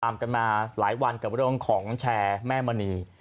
กันมาหลายวันกับเรื่องของแชร์แม่มณี